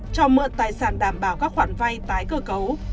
cho mượn tài sản đảm bảo các khoản vay tái cơ cấu